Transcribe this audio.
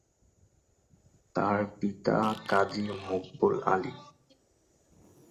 তার পিতা কাজী মকবুল আলী।